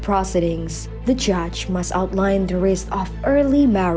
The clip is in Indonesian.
penyelamat harus menunjukkan risiko perkahwinan awal